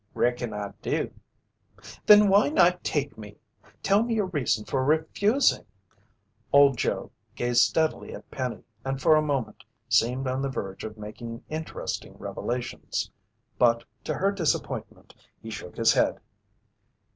"Reckon I do." "Then why not take me? Tell me your reason for refusing." Old Joe gazed steadily at Penny and for a moment seemed on the verge of making interesting revelations. But to her disappointment, he shook his head.